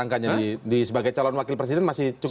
angkanya sebagai calon wakil presiden masih cukup